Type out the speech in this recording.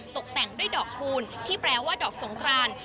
ตกแต่งด้วยดอกคูณที่แปลว่าดอกสงคราน